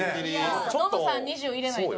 ノムさん２０入れないと。